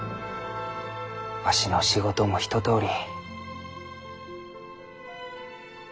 わしの仕事も一とおり。